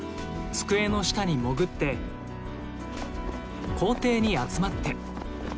机の下にもぐって校庭に集まって。